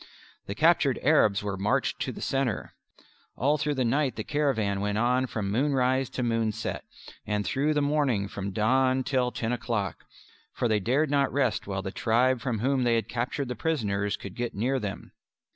The captured Arabs were marched in the centre. All through the night the caravan went on from moonrise to moonset, and through the morning from dawn till ten o'clock for they dared not rest while the tribe from whom they had captured the prisoners could get near them.